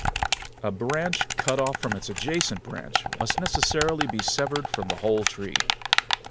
8. A branch cut off from its adjacent branch must necessarily be severed from the whole tree.